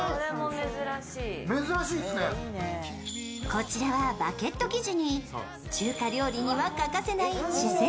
こちらはバケット生地に中華料理には欠かせない四川